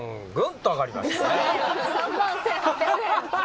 ３万１，８００円。